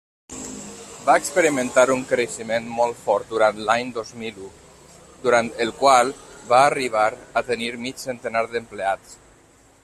Va experimentar un creixement molt fort durant l'any dos mil u, durant el qual va arribar a tenir mig centenar d'empleats.